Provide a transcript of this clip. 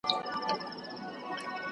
- اوه ښا! سمه ده، هماغه بیا هم غواړم.